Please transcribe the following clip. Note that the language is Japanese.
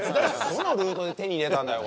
どのルートで手に入れたんだよ